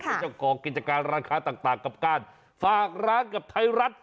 เป็นเจ้าของกิจการร้านค้าต่างกับการฝากร้านกับไทยรัฐ